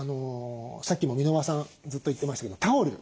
さっきも箕輪さんずっと言ってましたけどタオル。